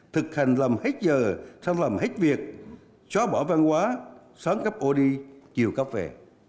thực hành làm hết giờ sáng làm hết việc xóa bỏ văn hóa sáng cắp ô đi chiều cấp về